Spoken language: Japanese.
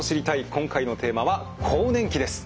今回のテーマは「更年期」です。